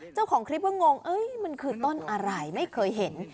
เจ้าของคลิปก็งงมันคือต้นอะไรไม่เคยเห็น